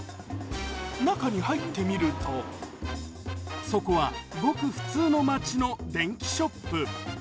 中に入ってみるとそこはごく普通の街の電気ショップ。